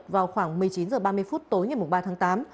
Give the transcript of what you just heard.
vào khoảng một mươi chín h ba mươi phút tối ngày ba tháng tám